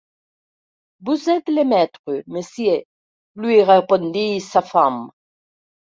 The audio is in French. Vous êtes le maître, monsieur, lui répondit sa femme.